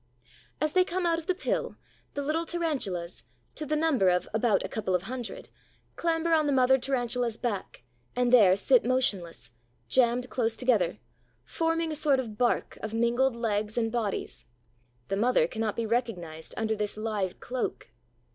As they come out of the pill, the little Tarantulas, to the number of about a couple of hundred, clamber on the mother Tarantula's back and there sit motionless, jammed close together, forming a sort of bark of mingled legs and bodies. The mother cannot be recognized under this live cloak.